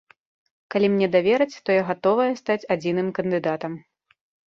Калі мне давераць, то я гатовая стаць адзіным кандыдатам.